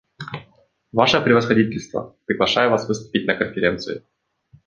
Ваше превосходительство, приглашаю вас выступить на Конференции.